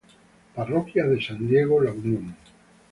Parroquia de San Diego, La Unión.